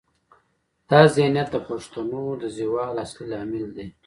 دا ذهنیت د پښتو د زوال اصلي لامل دی.